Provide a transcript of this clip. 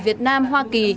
việt nam hoa kỳ